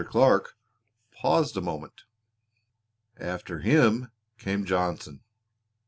Clark paused a moment. "After him came Johnson.